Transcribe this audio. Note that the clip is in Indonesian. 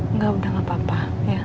enggak udah gak apa apa